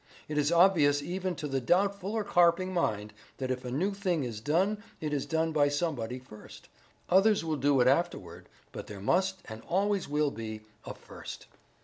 It is obvious even to the doubtful or carping mind that if a new thing is done it is done by somebody first. Others will do it afterward, but there must and always will be a first.